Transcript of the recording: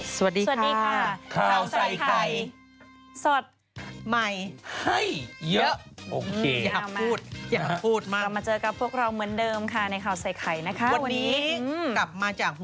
สวัสดีค่ะข่าวใส่ไข่สดใหม่เยอะโอเคอยากพูดอยากพูดมากมาเจอกับพวกเราเหมือนเดิมค่ะในข่าวใส่ไข่นะคะวันนี้กลับมาจากหัว